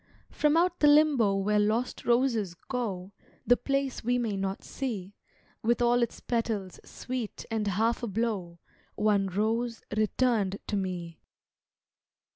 From out the limbo where lost roses go The place we may not see, With all its petals sweet and half ablow, One rose returned to me.